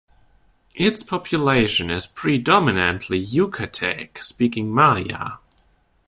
Its population is predominantly Yukatek-speaking Maya.